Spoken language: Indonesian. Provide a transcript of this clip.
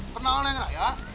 kenapa neng raya